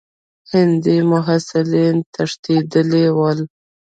هندي محصلین تښتېدلي ول.